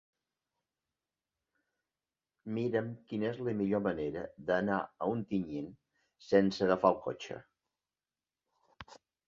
Mira'm quina és la millor manera d'anar a Ontinyent sense agafar el cotxe.